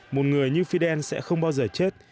một người như fidel sẽ không bao giờ chết